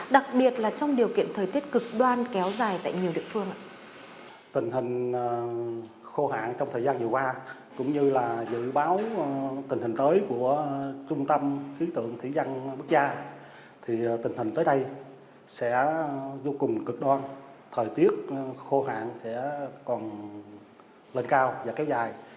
đặc biệt là trong điều kiện thời tiết cực đoan kéo dài tại nhiều địa phương